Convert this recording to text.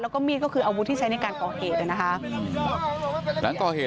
แล้วก็มีดก็คืออาวุธที่ใช้ในการก่อเหตุ